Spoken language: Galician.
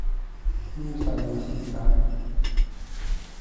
Non está moi masificado.